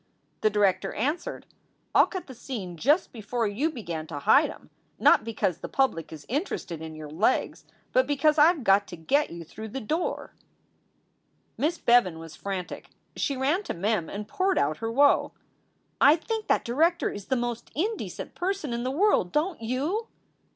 The director answered: "I ll cut the scene just before you began to hide em not because the public is interested in your legs, but because I ve got to get you through the door." 3 6o SOULS FOR SALE Miss Bevan was frantic. She ran to Mem and poured out her woe. I think that director is the most indecent person in the world. Don t you?"